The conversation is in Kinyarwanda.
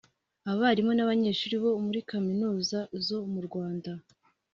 abarimu n’abanyeshuri bo muri Kaminuza zo mu Rwanda